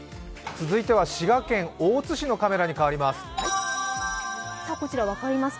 続いては滋賀県大津市のカメラに変わります。